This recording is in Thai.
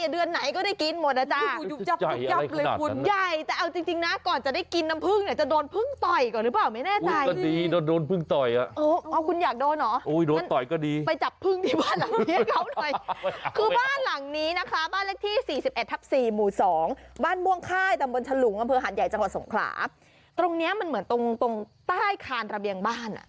เบื้อผึ้งบินมาทำรังที่บ้าน